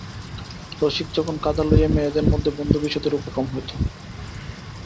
রসিক যখন কাদা লইয়া মেয়েদের মধ্যে বন্ধুবিচ্ছেদের উপক্রম হইত।